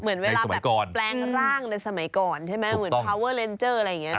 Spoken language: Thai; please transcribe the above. เหมือนเวลาแบบแปลงร่างในสมัยก่อนใช่ไหม